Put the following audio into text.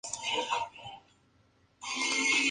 Luego fue estrenada en España, y finalmente en el Perú.